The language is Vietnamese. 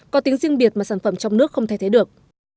có tính riêng biệt mà sản phẩm trong nước không thay thế được